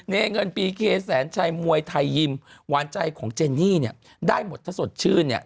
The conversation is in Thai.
เงินปีเคแสนชัยมวยไทยยิมหวานใจของเจนนี่เนี่ยได้หมดถ้าสดชื่นเนี่ย